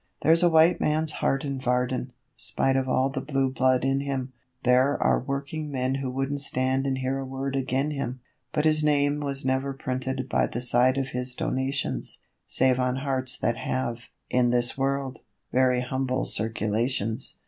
There's a white man's heart in Varden, spite of all the blue blood in him, There are working men who wouldn't stand and hear a word agin' him; But his name was never printed by the side of his 'donations,' Save on hearts that have in this world very humble circulations.